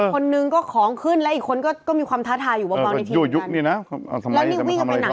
คนหนึ่งก็ของขึ้นแล้วอีกคนก็มีความท้าทาอยู่เบาในทีมนั้น